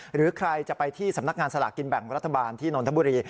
หรือใครจะไปที่สำนักงานสลากกินแบ่งรัฐบาลที่นนทบุรี